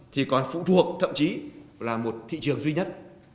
thì còn phụ thuộc thậm chí là một thị trường duy nhất